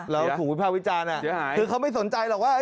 แล้วสู่วิทยาวิจารณ์ถือเขาไม่สนใจหรอกว่า